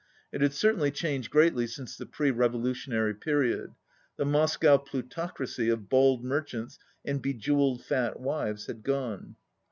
It had certainly changed greatly since the pre revolutionary period. The Moscow plutocracy of bald merchants and bejewelled fat wives had gone.